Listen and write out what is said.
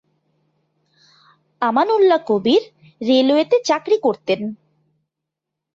আমানউল্লাহ কবির রেলওয়েতে চাকরি করতেন।